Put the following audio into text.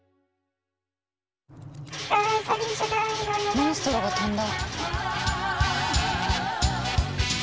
モンストロが飛んだ。